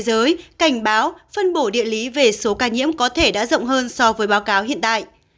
cảnh giới cảnh báo phân bổ địa lý về số ca nhiễm có thể đã rộng hơn so với báo cáo hiện tại